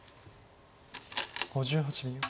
５８秒。